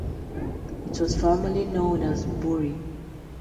It was formerly known as Bori.